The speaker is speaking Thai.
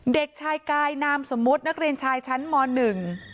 เด็กชายกายนามสมมุตินักเรียนชายชั้นมหนึ่ง